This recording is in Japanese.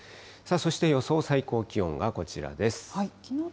そして、予想最高気温がこちらです。